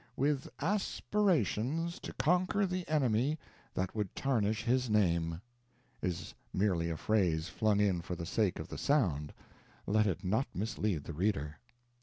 "With aspirations to conquer the enemy that would tarnish his name" is merely a phrase flung in for the sake of the sound let it not mislead the reader.